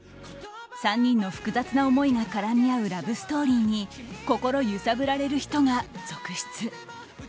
３人の複雑な思いが絡み合うラブストーリーに心揺さぶられる人が続出。